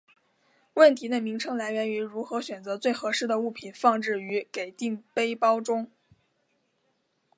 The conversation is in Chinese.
问题的名称来源于如何选择最合适的物品放置于给定背包中。